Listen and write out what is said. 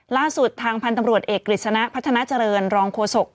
ล่าสุดทางพันธ์ตำรวจเอกกฤษณะพัฒนาเจริญรองโฆษก